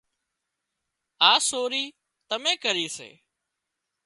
آ سوري تمين ڪري سي